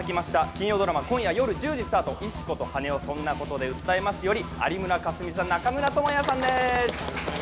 金曜ドラマ今夜夜１０時スタート、「石子と羽男−そんなコトで訴えます？−」より有村架純さん、中村倫也さんです。